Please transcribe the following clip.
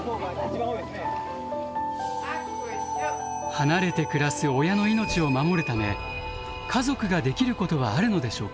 離れて暮らす親の命を守るため家族ができることはあるのでしょうか？